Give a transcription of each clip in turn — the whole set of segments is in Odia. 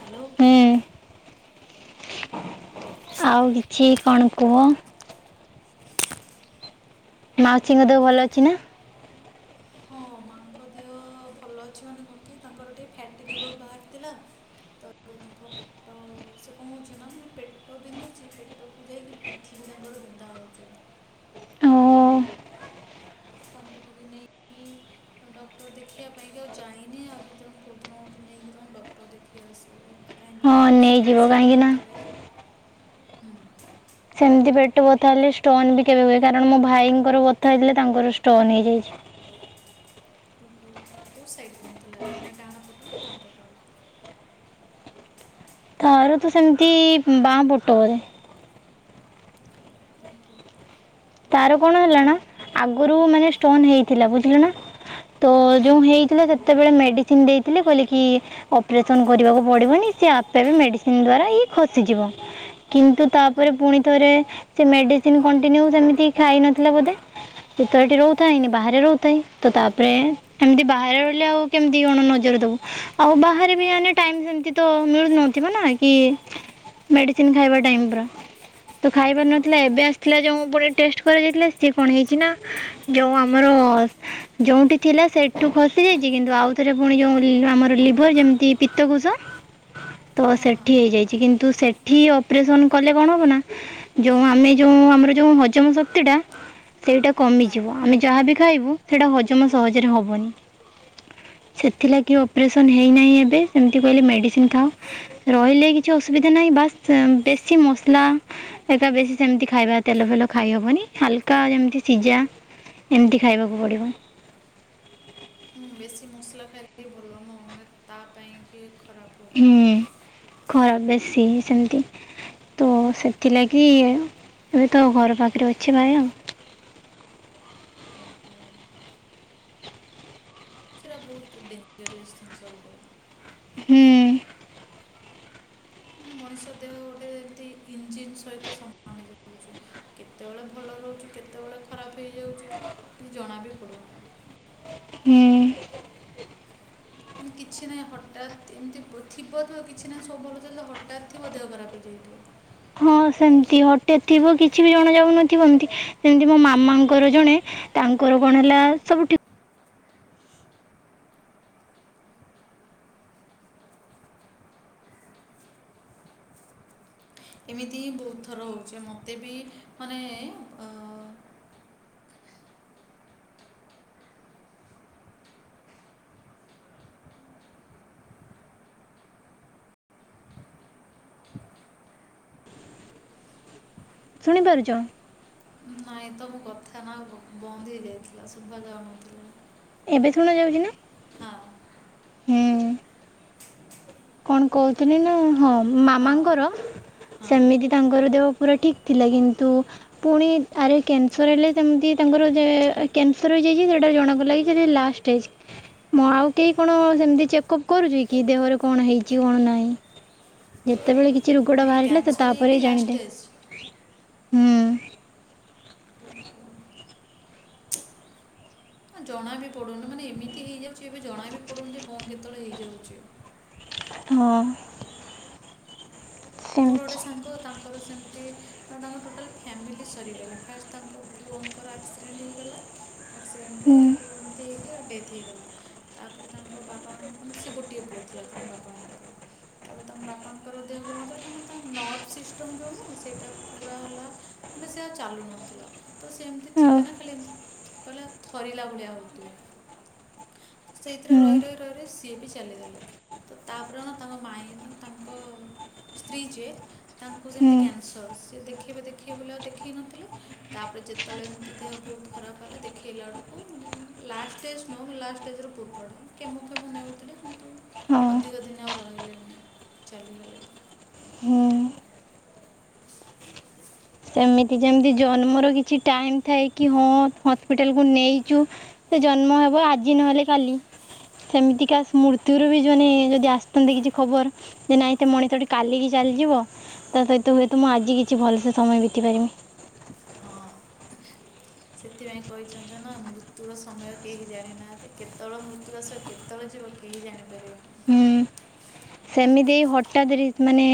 ହ୍ୟାଲୋ। ହୁଁ ଆଉ କିଛି କଣ କୁହ? ମାଉସୀଙ୍କ ଦେହ ଭଲ ଅଛି ନା? ମାଙ୍କ ଦେହ ଭଲ ଅଛି ମାନେ କଣ କି ତାଙ୍କର ଟିକେ ଫ୍ୟାଟି ଲିଭର୍ ବାହାରିଥିଲା ତ ତାଙ୍କ ପେଟ ସେ କଣ ହଉଛି ନା ମାନେ ପେଟ ବିନ୍ଧୁଛି ପେଟକୁ ଯାଇକି ପିଠି ବି ତାଙ୍କର ବିନ୍ଧା ହ [unintelligible] ହଁ। [unintelligible] ତ ଦେଖିବା ପାଇଁକି ଆଉ ଯାଇନି ଆଉ ଭିତରେ କୋଉଦିନ ଗୋଟେ ନେଇକି ଡକ୍ଟର ଦେଖି ଆସିବୁ। ହଁ ବିନ୍ଧ ହଉଚି ସେ ନେଇଯିବ ମେଡ଼ିସିନ୍ କାହିଁକି ନା ଖାଉଥିଲେ। ସେମିତି ପେଟ ବଥା ହେଲେ ଷ୍ଟୋନ ବି କେବେ ହୁଏ କାରଣ ମୋ ଭାଇଙ୍କର ବଥା ହେଇଥିଲେ ତାଙ୍କର ଷ୍ଟୋନ ହେଇଯାଇଛି। [inaudible] ଯେଉଁ ସାଇଡ଼ କିଣିଥିଲା ମାନେ ଡାହାଣ ପଟ ନା ବାଁ ପଟ [unintelligible] ତାର ତ ସେମିତି ବାଁ ପଟ ବୋଧେ। ଓହୋ ତାର କଣ ହେଲା ନା -ଆଗରୁ ମାନେ ଷ୍ଟୋନ ହେଇଥିଲା, ବୁଝିଲ ନା ତ ହଁ ଯୋଉ ହୁଁ ହେଇଥିଲା ସେତେବେଳେ ମେଡିସିନ ଦେଇଥିଲେ, କହିଲ କି -ଅପରେସନ କରିବାକୁ ପଡିବନି। ସେ ଆପେ ବି ମେଡିସିନ ଦ୍ଵାରା ଖସିଯିବ। କିନ୍ତୁ ତାପରେ ପୁଣି ଥରେ ସେ ମେଡିସିନ କଣ୍ଟିନ୍ୟୁ ସେମିତି ଖାଇ ନଥିଲା ବୋଧେ। ସେ ତ ଏଠି ରହୁଥାଏନି, ବାହାରେ ରହୁଥାଏ, ତ ତାପରେ ଏମିତି ବାହାରେ ରହିଲେ ଆଉ କେମିତି କଣ ନଜର ଦବୁ ବାହାରେବି ଆମେ ଟାଇମ୍ ସେମିତି ତ ମିଳୁ ନଥିବ ନା। ମେଡିସିନ ଖାଇବା ଟାଇମ ତ ଖାଇ ହଁ ପାର ହଁ ନଥିଲା ଏବେ ଆସିଥିଲା ଯେଉ ପୁଣି ଟେଷ୍ଟ କରାଯାଇଥିଲା, ସିଏ କଣ ହେଇଛି ନା -ଯୋଉ ଆମର ଯୋଉଠି ଥିଲା ସେଠୁ ଖସିଯାଇ କିନ୍ତୁ ଆଉଥରେ ପୁଣି ଯୋଉ ଆମର ଲିଭର ଯେମିତି ପିତକୋଷ ତ ହଁ ସେଠି ହେଇଯାଇଛି କିନ୍ତୁ ସେଠ ଏଠି ଅପରେସନ କଲେ କଣ ହବ ନା ଯୋଉ ଆମେ ଯୋଉ ଆମର ଯୋଉ ହଜମ ଶକ୍ତି ଟା ସେଇଟା ହଁ ହଁ। କମିଯିବ, ଆମେ ଯାହାବି ଖାଇବୁ ସେଇଟା ହଜମ ସହଜରେ ହବନି। [inaudible] ସେଥିଲାଗି ଅପରେସନ୍ ହେଇନାହିଁ ଏବେ, ସେମିତି କହିଲେ ମେଡ଼ିସିନ ଖାଅ ରହିଲେ କିଛି ଅସୁବିଧା ନାହିଁ। ବାସ୍ ବେଶୀ ମସଲା, ଏକା ବେଶୀ ସେମିତି ଖାଇବା ତେଲ ଫେଲ ଖାଇହବନି। ହାଲକା ଯେମିତି ସିଝା ଏମିତି ଖାଇବାକୁ ପଡିବ। ହୁଁ ବେଶୀ ମସଲା ଖାଇଲେ ଭଲ ନୁହଁ ମାନେ ତା ପାଇଁ କି ଖରାପ କରିବ। ଖରାପ ବେଶୀ ସେମିତି। ତ ସେଥିଲାଗି ଏବେ ତ ଘର ପାଖରେ ଅଛି ଭାଇ ଆଉ। ହୁଁ [inaudible] ସେଇଟା ବହୁତ ଡେଞ୍ଜରିୟସ୍ ଜିନିଷ ଗୋଟେ। ହୁଁ ମାନେ ମଣିଷ ଦେହ ଗୋଟେ ଏମିତି ଇଞ୍ଜିିନ ସହିତ ସମାନ। ହେଇଯାଉଛି କେତେବେଳେ ଭଲ ରହୁଛି, କେତେବେଳେ ଖରାପ ହେଇଯାଉ [inaudible] ଜଣା ବି ପଡୁନି। ହୁଁ ମାନେ କିଛି ନାହିଁ ହଠାତ୍ ଏମିତି ଥିବ, ଥିବ, କିଛି ନାହିଁ ସବୁଭଲ ଚାଲିଥିବ, ହଠାତ୍ ଥିବ ଦେହ ଖରାପ ହେଇଯାଇଥିବ। ହଁ ସେମିତି ହଠାତ୍ ଥିବ କିଛି ବି ଜଣା ଯାଉନଥିବ, ଏମିତି, ସେମିତି ମୋ ମାମାଙ୍କର ଜଣେ ତାଙ୍କର କଣ ହେଲା, ସବୁଠି ଏମିତି ବହୁତ ଥର ହଉଛି, ମତେ ବି ମାନେ ଅ ଶୁଣିପାରୁଛ? ନାଇଁ ତ ମୋ କଥା ନା ବନ୍ଦ ହେଇଯାଇଥିଲା, ଶୁଭ ଯାଉନଥିଲା। ଏବେ ଶୁଣା ଯାଉଛି ନା ହଁ ହୁଁ କଣ କହୁଥିଲି ନା, ହଁ ହଁ ମାମାଙ୍କର ହଁ ସେମିତି ତାଙ୍କର ଦେହ ପୁରା ଠିକ ଥିଲା କିନ୍ତୁ ପୁଣି ଆରେ କ୍ୟାନସର ହେଲେ, ସେମିତି ତାଙ୍କର ଯେ -କ୍ୟାନସର ହେଇଯାଇଛି, ସେଟା ଜଣାପଇଲାକି ସେଇଟା ଲାଷ୍ଟଷ୍ଟେଜ ମୁଁ ଆଉ କେହି କଣ ସେମତି ଚେକଅପ୍ କରୁଛି କି, ଦେହରେ କଣ ହେଇଛି, କଣ ନାହିଁ, ଯେତେବେଳେ କି ଏ ଓ ରୋଗଟା ମାନେ ବାହାରିଲା, ସେ କ୍ୟାନ୍ସର ହେଇକି ତାପରେ ଲାଷ୍ଟ ଜାଣିଲେ ଷ୍ଟେଜ୍ ହୁଁ ଜଣା ବି ପଡୁନି ମାନେ ଏମିତି ହେଇଯାଉଛି ଏବେ ଜଣା ବି ପଡୁନି ଯେ କଣ କେତେବେଳେ ହେଇଯାଉଛି ହଁ ମୋର ଗୋଟେ ସେମିତି ସାଙ୍ଗ ତା ତାଙ୍କର ସେମିତି କ ତାଙ୍କର ଟୋଟାଲ ଫ୍ୟାମିଲି ସରିଗଲେ ଫାଷ୍ଟ ତାଙ୍କ ପୁଅଙ୍କର ଆକ୍ସିଡେଣ୍ଟ ହେଇଗଲା। ଆକ୍ସିଡେଣ୍ଟ ରେ ହୁଁ ଆଗରୁ ଏମିତି ହେଇଥିଲା ଡେଥ୍, ହେଇଗଲା ତାପରେ ତାଙ୍କ ବାପାଙ୍କ ମାନେ ସେ ଗୋଟିଏ ପୁଅ ଥିଲା ତାଙ୍କ ବାପମାଙ୍କର ତାପରେ ତାଙ୍କ ବାପାଙ୍କର ଦେହକୁୁ ନ ଭଲ ନଥିଲା। ତମେ ତାଙ୍କ ନର୍ଭ ସିଷ୍ଟମ ଯଉ ନୁହୁଁ ସେଇଟା ପୁରା ହେଲା ମାନେ ସେଆଉ ଚାଲୁ ନଥିଲା। ତ ସେ ଏମିତି ଆଉ ଥିବେ ନା ଖାଲି ଏମିତି ପିଲଲା ଥରିଲା ଭଳିଆ ହେଉ ଥିବେ। ସେଇଥିରେ ହୁଁ ରହି ରହି ରହି ରହି ସିଏ ବି ଚାଲିଗଲେ। ତ ତାପରେ କଣ ତାଙ୍କ ମାଇଁ ମାନେ ତାଙ୍କ ସ୍ତ୍ରୀ ଯିଏ ତାଙ୍କୁ ସେ ହୁଁ ମିତି କ୍ୟାନସର ସିଏ ଦେଖେଇବେ ଦେଖେଇବେ ବୋଲି ଆଉ ଦେଖେଇ ନଥିଲେ ତାପରେ ଯେ ଯେତେବେଳେ ଏମିତି ବହୁତ ଖରାପ ହେଲା ଦେଖେଇଲା ଆଡ଼କୁ ଲାଷ୍ଟେଜ୍ ନୁହୁଁ ଲାଷ୍ଟ ଷ୍ଟେଜ୍ର ପୂର୍ବଟା। କେମ ଫେମ ନେଉଥିଲେ କିନ୍ତୁ ହଁ ଅଧିକ ଦିନ ଆଉ ରହିଲେନି ଚାଲିଗଲେ। ହୁଁ। ସେମିତି ଯେମିତି ଜନ୍ମର କିଛି ଟାଇମ ଥାଏ କି ହଁ ହସ୍ପିଟାଲ କୁ ନେଇଚୁ ସେ ଜନ୍ମ ହବ ଆଜି ନହେଲେ କାଲି। ସେମିତିକା ମୃତ୍ୟୁର ବି ଜଣେ ଯଦି ଆସିଥାନ୍ତି କିଛି ଖବର ଯେ ନାଇଁ ସେ ମଣିିତଟି କାଲିକି ଚାଲି ଯିବ କହନ୍ତେ ତୁ ହୁଏତ ମୁଁ ଆଜି କିଛି ଭଲସେ ସମୟ ବିତେଇ ପାରିବି। ହଁ ସେଥିପାଇଁ କହିଛନ୍ତି ନା ମୃତ୍ୟୁର ସମୟ କେହି ଜାଣିନାହାନ୍ତି କେତେବେଳେ ମୃତ୍ୟୁ ଆସିବ କେତେବେଳେ ଯିବ କେହି ଜାଣିପାରିବେନି। ସେମିତି ଏଇ ହଠାତ୍ ମାନେ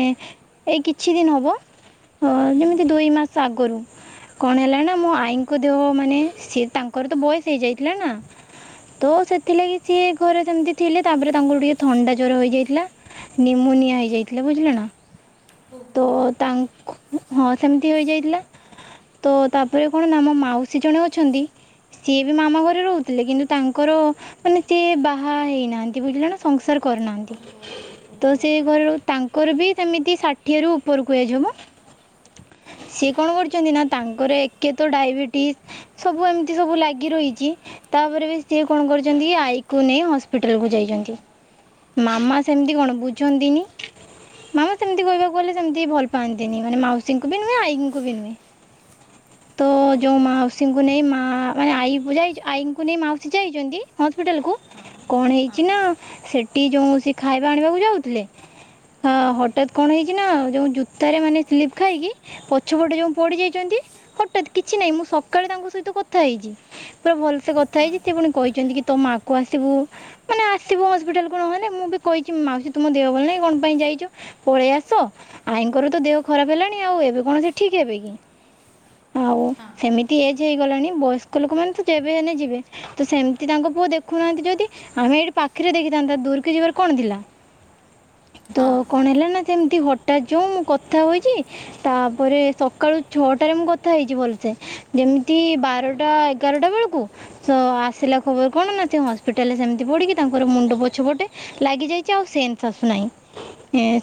ଏଇ କିଛି ଦିନ ହବ ହଁ ଯେମିତି ଦୁଇ ମାସ ଆଗରୁ କଣ ହେଲା ନା ମୋ ଆଈଙ୍କ ଦେହ ମାନେ ସେ ତାଙ୍କର ତ ବୟସ ହେଇଯାଇଥିଲା ନା ତ ସେଥିଲାଗି ସିଏ ଘରେ ସେମିତି ଥିଲେ ତାପରେ ତାଙ୍କର ଟିକେ ଥଣ୍ଡା ଜ୍ଵର ହେଇଯାଇଥିଲା ନିମୋନିଆ ହେଇଯାଇଥିଲା ବୁଝିଲ ନା ତ ଓହୋ ତାଙ୍କୁ ହଁ ସେମିତି ହେଇଯାଇଥିଲା। ତ ତାପରେ କଣନା ଆମ ମାଉସୀ ଜଣେ ଅଛନ୍ତି ସିଏ ବି ମାମା ଘରେ ରହୁଥିଲେ କିନ୍ତୁ ତାଙ୍କର ମାନେ ସି ବାହା ହେଇନାହାନ୍ତି ବୁଝିଲ ନା ସଂସାର କରୁନାହାନ୍ତି ତ ସେ ଘର ତାଙ୍କର ବି ସେମିତି ଷା ଠିଏରୁ ଉପରକୁ ଏଜ ମ ସିଏ କଣ କରିଛନ୍ତି ନା ତାଙ୍କର ଏକେ ତ ଡାଇବେଟିସ ସବୁ ଏମିତି ସବୁ ଲାଗି ରହିଛି ତାପରେ ବି ସିଏ କଣ କରିଛନ୍ତି ଆଈକୁ ନେଇ ହସ୍ପିଟାଲ କୁ ଯାଇଛନ୍ତି। ମାମା ସେମିତି କଣ ବୁଝନ୍ତିନି ମାମା ସେମିତି କହିବାକୁ ଗଲେ ସେମତି ଭଲ ପାଆନ୍ତିନି ମାନେ ମାଉସୀଙ୍କୁ ବି ନୁହେଁ ଆଇଙ୍କୁ ବି ନୁହେଁ। ହ [inaudible] ତ ଯୋଉ ମାଉସୀଙ୍କୁ ନେଇ ମା ମାନେ ଆଈ ଯ ଆଈଙ୍କୁ ନେଇ ମାଉସୀ ଯାଇଛନ୍ତି ହସ୍ପିଟାଲ କୁ କଣ ହେଇଛି ନା ସେଠି ଯୋଉ ସେ ଖାଇବା ଆଣିବାକୁ ଯାଉଥିଲେ ହଁ ହଠାତ୍ କଣ ହେଇଛି ଯୋଉ ଜୁତାରେ ମାନେ ସ୍ଲିପ ଖାଇକି ପଛପଟେ ଯୋଉ ପଡି ଯାଇଛନ୍ତି ହଠାତ୍ କିଛି ନାଁଇଁ ମୁଁ ସକାଳେ ତାଙ୍କ ସହିତ କଥା ହେଇଛି ପୁରା ଭଲସେ କଥା ହେଇଛି ସେ ପୁଣି କହିଛନ୍ତି କି ମାକୁ ଆସିବୁ ମାନେ ଆସିବୁ ହସ୍ପିଟାଲ କୁ ନହେଲେ ମୁଁ ବି କହିଛିି ମାଉସି ତୁମ ଦେହ ଭଲ ନାଇଁ କଣ ପାଇଁ କଣପାଇଁ ଯାଇ ପଳେଇ ଆସ ଆାଇଙ୍କର ତ ଦେହ ଖରାପ ହେଲାଣି ଆଉ ଏବେ କଣ ସେ ଠିକ ହେବେ କି? ହଉ ସେମିତି ଏ ହେଇଗଲାଣି ବୟସ୍କ ଲୋକମାନେ ତ ଯେବେ ହେଲେ ଯିବେ ତ ସେମିତି ତାଙ୍କ ପୁଅ ଦେଖୁନାହାନ୍ତି ଯଦି ଆମେଏଇଠି ପାଖିରେ ଦେଖିଥାନ୍ତା ଦୂରକି ଯିବାର କଣ ଥିଲା ହ ତ କଣ ହେଲା ନା ସେମତି ହଠାତ୍ ଯଉ ମୁଁ କଥା ହୋଇଛି ତାପରେ ସକାଳୁ ଛଅଟାରେ ମୁଁ କଥା ହେଇଛି ଭଲସେ ଯେମିତି ବାରଟା ଏଗାରଟା ବେଳକୁ ତ ଆସିଲା ଖବର କଣ ନା ହସ୍ପିଟାଲରେ ସେମିତି ପଡିକି ତାଙ୍କର ମୁଣ୍ଡ ପଛ ପଟେ ଲାଗି ଯାଇଛି ଆଉ ସେନ୍ସ ଆସୁନାହିଁ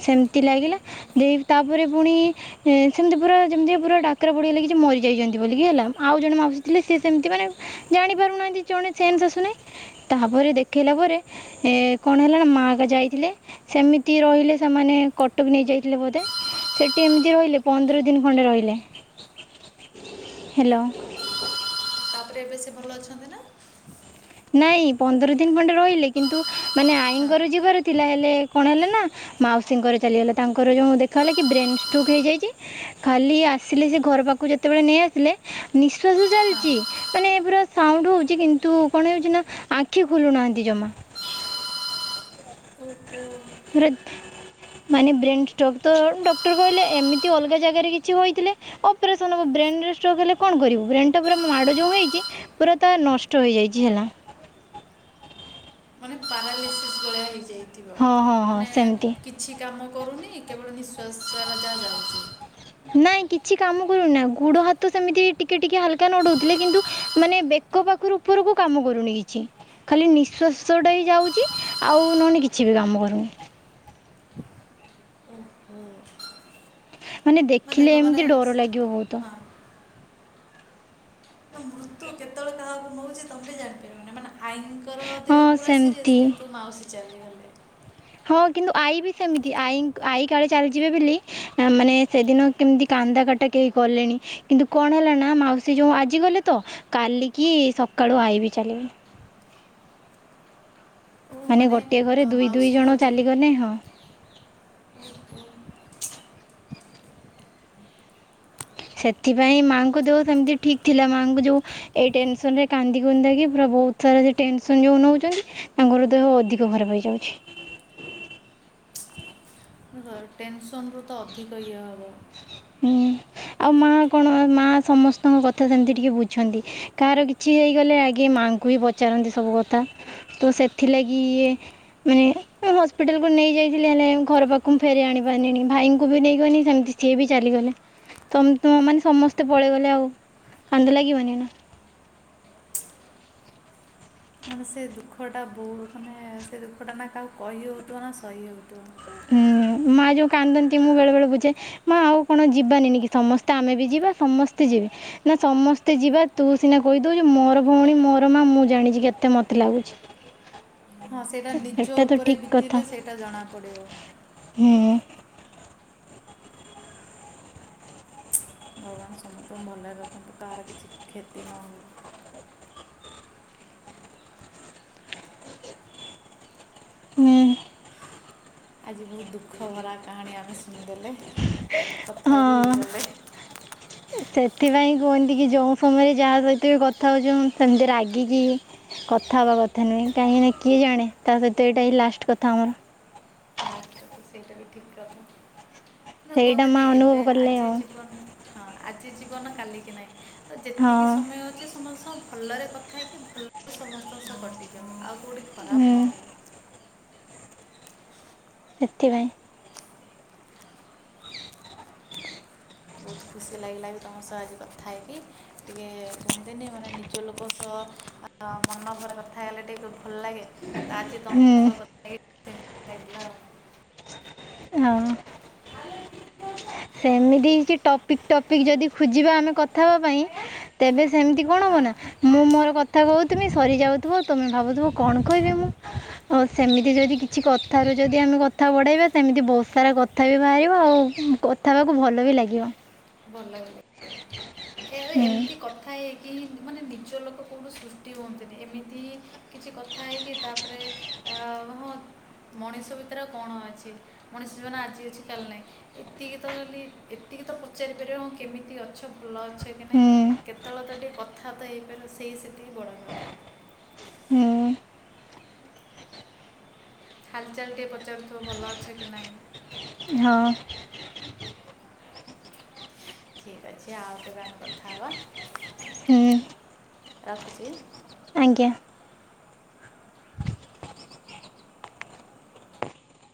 ସେମ୍ ଲାଗିଲା ହଁ ହଁ ହଁ। ହଁ ହଁ ହଁ ଦେଇ ତାପରେ ପୁଣି ସେମିତି ପୁରା ଯେମିତି ପୁରା ଡାକରା ପଡିଗଲାକି ଯେ ମରିଯାଇଛନ୍ତି। ବିକି ହେଲା ଆଉ ଜଣେ ମାଉସୀ ଥିଲେ ସି ସେମିତି ମାନେ ଜାଣି ପାରୁନାହାନ୍ତି ଜଣେ ଚେଞ୍ଜେ ଆସୁନାହିଁ ତା ପରେ ଦେଖାଇଲା ପରେ ଏ କଣ ହେଲା ମାଆ କ ଯାଇଥିଲେ ସେମିତି ରହିଲେ ସେମାନେ କଟକ ନେଇ ଯାଇଥିଲେ ବୋଧେ ସେଠି ଏମିତି ରହିଲେ ପନ୍ଦର ଦିନି ଖଣ୍ଡେ ରହିଲେ। ହ୍ୟାଲୋ। ତାପରେ ଏବେ ସେ ଭଲ ଅଛନ୍ତି ନାଁ? ନାଇଁ ପନ୍ଦର ଦିନ ଖଣ୍ଡେ ରହିଲେ କିନ୍ତୁ ମାନେ ହଁ ଆଇଙ୍କ ର ଯିବାର ଥିଲା ହେଲେ କଣ ହେଲେ ନାଁ ମାଉସୀଙ୍କର ଚାଲିଗଲା ତାଙ୍କର ଯେଉଁ ଦେଖାଗଲା କି ବ୍ରେନ୍ ଷ୍ଟ୍ରୋକ୍ ହେଇଯାଇଛି ଖାଲି ଆସିଲେ ସେ ଘର ପାଖ ତାକୁ ଯେତେବେଳେ ନେଇ ଆସିଲେ ନିଶ୍ଵାସ ହଁ ଚାଲିଛି ମାନେ ପୁରା ସାଉଣ୍ଡ ହଉଛି କିନ୍ତୁ କଣ ହେଉଛି ନା ଆଖି ଖୋଲୁ ନାହାନ୍ତି ଜମା। ଓହୋ ବୃଦ୍ଧ ମାନେ ବ୍ରେନ ଷ୍ଟକ୍ ତ ଡକ୍ଟର କହିଲେ ଏମିତି ଅଲଗା ଜାଗାରେ କିଛିହୋଇଥିଲେ ଅପରେସନ ବ୍ରେନ ରେ ଷ୍ଟୋକ ହେଲେ କଣ କରିବୁ ବ୍ରେନ ଟା ପୁରା ମାଡ ଯୋଉଁ ହେଇଛି ପୁରା ତା ନଷ୍ଟ ହେଇଯାଇଛି ହେଲା। ମାନେ ପାରାଲିସିସ୍ ଭଲି ହେଇଯା ହଁ ହଁ ହଁ ମାନେ ସେମିତି କିଛି କାମ କରୁନି କେବଳ ନିଶ୍ଵାସା ଯାଉଛି। ନାଇଁ କିଛି କାମ କରୁନା ଗୋଡ ହାତ ସେମିତି ଟିକେ ଟିକେ ହାଲକା ନଡଉଥିଲେ କିନ୍ତୁ ମାନେ ବେକ- ପାଖରୁ ଉପରକୁ କାମ କରୁନି କିଛି ଖାଲି ନିଶ୍ୱାସ ଟା ହିଁ ଯାଉଛି ଆଉ ନହନି କିଛି ବି କାମ କରୁନି। ଓହୋ ମାନେ ଦେଖ ଦେଖିଲେ ମାନେ ଏମିତି ଡର ଲାଗିବ ବହୁତ ହଁ ମାନେ ମୃତ୍ୟୁ ଆଈଙ୍କର ହଁ ଦେହ ପୁରା ସିରିଅସ୍ ସେମିତି କିନ୍ତୁ ମାଉସୀ ଚାଲିଗଲେ। ହଁ କିନ୍ତୁ ଆଈ ବି ସେମିତି ଆଈ ଆଈ କାଳେ ଚାଲିଯିବେ ବୋଲି ମାନେ ହଁ ସେଦିନ କେମିତି କା କାନ୍ଦ କଟା କେହି କଲେଣି କିନ୍ତୁ କଣ ହେଲା ନାଁ ମାଉସୀ ଯୋଉଁ ଆଜିଗଲେ ତ କାଲିକି ସଖା ଆଈ ବି ଚାଲିଗଲେ। ଓ ମାନେ ଗୋଟିଏ ଅ, ଘରେ ଦୁଇ ଦୁଇ ମାଉସୀଙ୍କ ଜଣ ଜୀ- ଚାଲିଗଲେ ହଁ। ଦେଖ [inaudible] ସେଥିପାଇଁ ମାଆଙ୍କୁ ଦେହ ସେମିତି ଠିକ୍ ଥିଲା ମାଆଙ୍କୁ ଯୋଉଁ ଏଇ ଟେନସନ ରେ କାନ୍ଦି କୁନ୍ଦାକି ପୁରା ବହୁତ ସାରା ସେ ଟେନସନ୍ ଯେଉଁ ନେଉଛନ୍ତି ତାଙ୍କର ଦେହ ଅଧିକ ଖରାପ ହେଇଯାଉଛି। [unintelligible] ଟେନସନ ରୁ ତ ଅଧିକ ଇଏ ହବ। ହୁଁ ଆଉ ମା କଣ ମା ସମସ୍ତଙ୍କ କଥା ସେମିତି ଟିକେ ବୁଝନ୍ତି କାହାର କିଛି ହେଇଗଲେ ଆଗେ ମା ତାଙ୍କୁ ହି ପଚାରନ୍ତି ସବୁ କଥା ତ ସେଥିଲାଗି ଇଏ ମାନେ ଏ ହସ୍ପିଟାଲ କୁ ନେଇ ଯାଇଥିଲି ହେଲେ ଘର ପାଖ ମୁ ଫେରି ଆଣି ପାରନିନଣିି ଭାଇଙ୍କୁ ବି ନେଇଗନି ସେମିତି ସିଏ ବି ଚାଲିଗଲେ ତ ତ ମାନେ ସମସ୍ତେ ପଳେଇଗଲେ ଆଉ କାନ୍ଦ ଲାଗିବନି ନାଁ। ମାନେ ସେ ଦୁଃଖଟା ବହୁ ମାନେ ସେ ଦୁଃଖଟା ନାଁ କାହାକୁ କହିହଉଥିବ ନାଁ ସହି ହେଉଥିବ। ତ ହୁଁ ମା ଯୋଉଁ କାନ୍ଦନ୍ତି ମୁଁ ବେଳେ ବେଳେ ବୁଝାଏ ମା ଆଉ କଣ ଯିବାନି ନି କି ସମସ୍ତେ ଆମେ ବି ଯିବା ସମସ୍ତେ ଯିବା। ନା ସମସ୍ତେ ଯିବା ତୁ ସିନା କହିଦଉଛୁ ମୋର ଭଉଣୀ ମୋର ମା ମୁଁ ଜାଣିଛି କେତେ ମତେ ଲାଗୁଛି। ଝ ହଁ ସେଇଟା ନିଜ ଉପରେ ଠିକ୍ କଥା ବିତିିଲେ ସେଇଟା ଜଣା ପଡିବ। ହୁଁ। ଭଗବାନ ସମସ୍ତଙ୍କୁ ଭଲରେ ରଖନ୍ତୁ କାହାର କିଛି କ୍ଷତି ନହଉ। ହୁଁ। ଆଜି ବହୁତ ଦୁଃଖ ଭରା କାହାଣୀ ଆମେ ଶୁ ଦେଲେ କଥା ବି ହଁ ହେଇଗଲେ। ସେଥିପାଇଁ କୁହନ୍ତି କି ଯୋଉଁ ସମୟରେ ଯାହା ରହିଥିବେ କଥା ଜୋଉ ସେମିତି ରାଗିକି କଥା ହବା କଥା ନୁହେଁ କାହିଁକି ନାଁ କିଏ ଜାଣେ ତା ସହିତ ଏଇଟା ହିଁ ଲାଷ୍ଟ କଥା ଆମର। ଲାଷ୍ଟ କଥା ସେଇଟା ବି ଠିକ କଥା। ଏ ସେଇଟା ମା' କୁହନ୍ତିନି ଅନୁଭବ ଏବେ କଲେ ଆଜି ଆଉ ଜୀବନ ହଁ ଆଜି ଜୀବନ କାଲିକି ନାହି। ଯେତିକି ହଁ ସମୟ ଅଛି ସମସ୍ତଙ୍କ ଭଲରେ କଥା ହେଇକି ଭଲରେ ସମସ୍ତଙ୍କ ସହ କଟିଯାଉ। କଉଠି ଖରାପ ହୁଁ ନହଉ ଏତିିପାଇଁ। ବହୁତ ଖୁସି ଲାଗିଲା ବି ତମ ସହ ଆଜି କଥା ହେଇକି, ଟିକେ କୁହନ୍ତିନି ମାନେ ନିଜ ଲୋକ ସହ ମନଭର କଥା ହେଲେ ଟିକେ ଭଲ ଲାଗେ ତ ଆଜି ତମ ସହ ହୁଁ କଥା ହେଇକି ଭଲ ଲାଗିଲା ଆଉ। ହଁ। [inaudible] ସେମିତି ହେଇଚି ଟପିକ ଟପିକ ଯଦି ଖୋଜିବା ଆମେ କଥାହବା ପାଇଁ ତେବେ ସେମିତି କଣ ହବନି ହଁ ର ମୁଁ ମୋର କଥା କହୁଥିବି ସରିଯାଉଥିବ ତମେ ଭାବୁଥିବ କଣ କହିବି ମୁଁ ଅ ସେମିତି କା ଯଦି କିଛି କଥାରୁ ଯଦି ଆମେ କଥା ବଢେଇବା ସେମିତି ବହୁତ ସାରା କଥା ବି ବାହାରିବ ଆଉ, କଥା ହେବାକୁ ଭଲ ବି ଲାଗିବ। ଭଲ। ଏରେ ହୁଁ ଏମିତି କଥା ହେଇକି ହିଁ ମାନେ ନିଜ ଲୋକ କଉଁଠୁ ସୃଷ୍ଟି ହୁଅନ୍ତିନି ଏମିତି କିଛି କଥା ହେଇକି ତାପରେ ଅ ହଁ। ମଣିଷ ଭିତରେ କଣ ଅଛି? ମଣିଷ ଜୀବନ ଆଜି ଅଛି କାଲି ନାହିଁ। ଏତିକି ତ ଖାଲି ଏତି ତିକ ତ ପଚାରିପାରିବ କେମିତି ଅଛ? ଭଲ ଅଛ କି ନାଇଁ ହୁଁ କେତେବେଳେ ତ ଟିକେ କଥା ତ ହେଇପାରିବ ସେଇ ସି ହୁଁ। ହାଲଚାଲ ଟେ ପଚାରୁଥିବ ଭଲ ଅଛ କି ନାଇଁ? ହଁ। ଠିକ ଅଛି ଆଉ କେବେ ଆମେ କଥା ହେବା। ହୁଁ। ରଖୁଚି। ଆଜ୍ଞା।